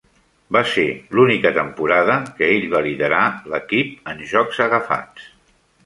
Va ser l'única temporada que ell va liderar l'equip en jocs agafats.